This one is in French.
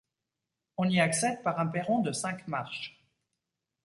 On y accède par un perron de cinq marches.